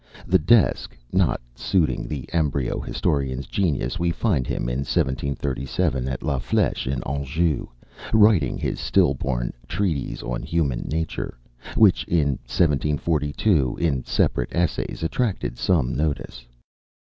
The "desk" not suiting the embryo historian's genius, we find him in 1737 at La Fl├©che, in Anjou, writing his still born "Treatise on Human Nature;" which in 1742, in separate Essays, attracted some notice.